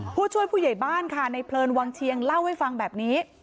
ผู้ช่วยผู้ใหญ่บ้านค่ะในเพลินวังเชียงเล่าให้ฟังแบบนี้